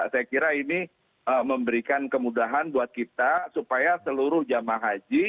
saya kira ini memberikan kemudahan buat kita supaya seluruh jemaah haji